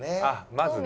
まずね。